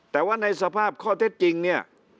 แต่ว่าในสภาพข้อเท็จจริงเนี่ย